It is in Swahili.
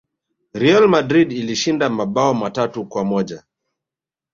real madrid ilishinda mabao matatu kwa moja